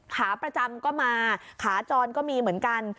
ขาประจำก็มาขาจรก็มีเหมือนกัน